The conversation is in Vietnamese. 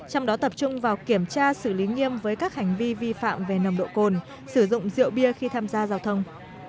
trong đó tập trung vào kiểm tra xử lý nghiêm với các hành vi vi phạm về nồng độ cồn sử dụng rượu bia khi tham gia giao thông